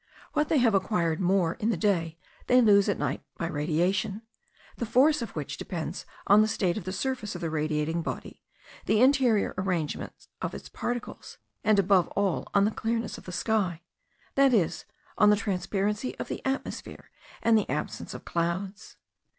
What they have acquired more in the day they lose at night by radiation, the force of which depends on the state of the surface of the radiating body, the interior arrangement of its particles, and, above all, on the clearness of the sky, that is, on the transparency of the atmosphere and the absence of clouds.